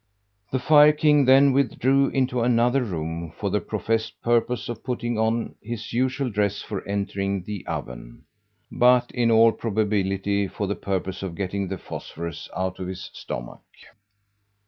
The fire king then withdrew into another room for the professed purpose of putting on his usual dress for entering the oven, but in all probability for the purpose of getting the phosphorus out of his stomach.